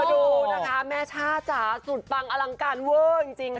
ดูนะคะแม่ช่าจ๋าสุดปังอลังการเวอร์จริง